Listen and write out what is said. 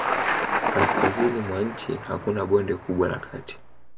Kaskazini mwa nchi hakuna bonde kubwa la kati.